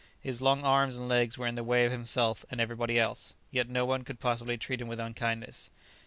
His long arms and legs were in the way of himself and everybody else; yet no one could possibly treat him with unkindness.